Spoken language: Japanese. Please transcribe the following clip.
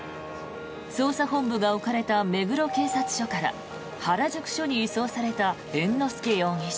捜査本部が置かれた目黒警察署から原宿署に移送された猿之助容疑者。